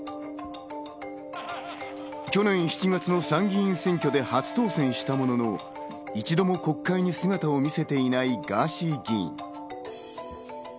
去年７月の参議院選挙で初当選したものの、一度も国会に姿を見せていないガーシー議員。